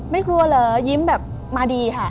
ไม่กลัวเหรอยิ้มแบบมาดีค่ะ